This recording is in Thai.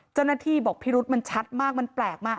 เจ้าหน้าที่บอกพิรุษมันชัดมากมันแปลกมาก